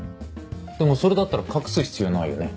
でもそれだったら隠す必要ないよね。